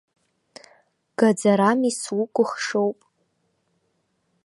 Гаӡарами, сукәыхшоуп!